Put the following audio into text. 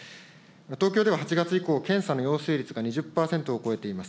東京では８月以降、検査の陽性率が２０％を超えています。